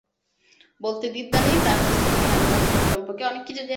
বলতে দ্বিধা নেই, তার কাছ থেকেই আমি অটিজম সম্পর্কে অনেক কিছু জেনেছি।